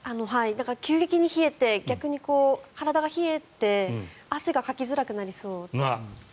だから急激に冷えて逆に体が冷えて汗がかきづらくなりそう。